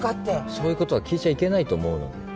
そういうことは聞いちゃいけないと思うので。